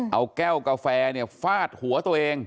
เอาแก้วกาแฟฟาดหัวตัวเอง